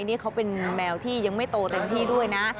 นี่เขาเป็นแมวที่ยังไม่โตเต็มที่ด้วยนะ